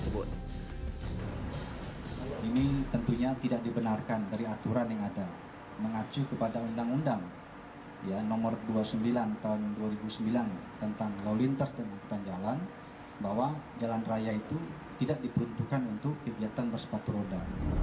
bahwa jalan raya itu tidak diperuntukkan untuk kegiatan bersepatu roda